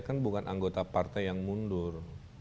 kan bukan anggota partai yang mundur